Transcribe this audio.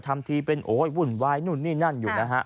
ทำทีเป็นโอ้ยวุ่นวายนู่นนี่นั่นอยู่นะฮะ